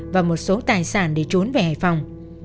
và một số tài sản để trốn về hải phòng